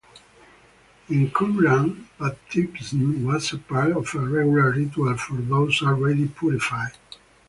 In Qumran baptism was a part of a regular ritual for those already purified.